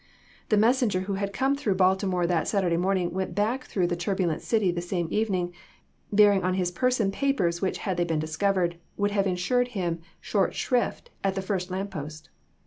The messenger who had come through Baltimore that Saturday morning went back through the tur bulent city the same evening, bearing on his per son papers which had they been discovered would have insured him short shrift at the first lamp post.